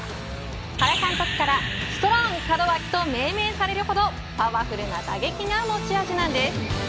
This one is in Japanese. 原監督からストロング門脇と命名されるほどパワフルな打撃が持ち味なんです。